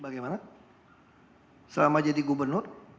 bagaimana selama jadi gubernur